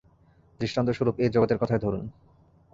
দৃষ্টান্তস্বরূপ এই জগতের কথাই ধরুন।